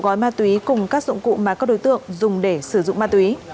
gói ma túy cùng các dụng cụ mà các đối tượng dùng để sử dụng ma túy